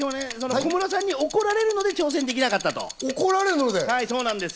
小室さんに怒られるので挑戦できなかったんです。